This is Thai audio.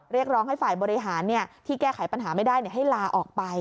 เรียกร้องให้ฝ่ายบริหารที่แก้ไขปัญหาไม่ได้ให้ลาออกไป